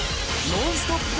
ノンストップ！